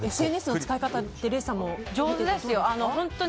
ＳＮＳの使い方って上手ですよ。